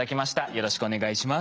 よろしくお願いします。